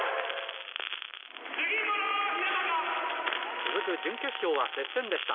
続く準決勝は接戦でした。